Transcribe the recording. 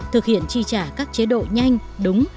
thực hiện tri trả các chế độ nhanh đúng